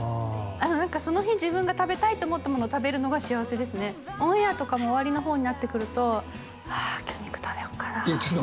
その日自分が食べたいと思ったものを食べるのが幸せですねオンエアとかも終わりのほうになってくると「ああ今日肉食べよっかな」